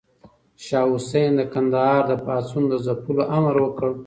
شاه حسين د کندهار د پاڅون د ځپلو امر وکړ.